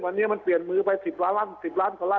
วันนี้มันเปลี่ยนมือไป๑๐ล้านคนไล่